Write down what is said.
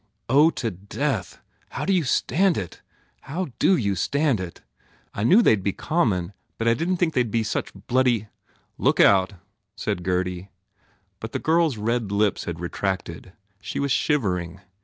"Oh to death! How do you stand it? How do you stand it? ... I knew they d be common but I didn t think they d be such bloody" "Look out," said Gurdy. But the girl s red lips had retracted. She was shivering.